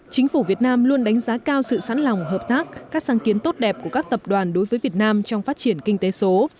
chính phủ việt nam luôn đánh giá cao sự sẵn lòng hợp tác các sáng kiến tốt đẹp của các tập đoàn đối với việt nam trong phát triển kinh tế số